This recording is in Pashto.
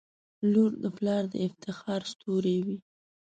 • لور د پلار د افتخار ستوری وي.